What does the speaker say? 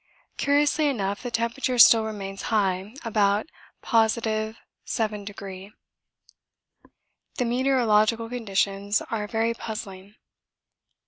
Curiously enough the temperature still remains high, about +7°. The meteorological conditions are very puzzling.